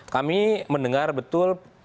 kami mendengar betul